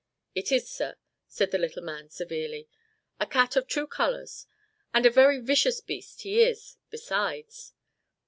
"It is, sir," said the little man severely; "a cat of two colours, and a very vicious beast he is besides.